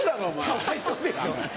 かわいそうでしょ！